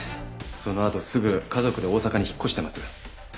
そのあとすぐ家族で大阪に引っ越してます。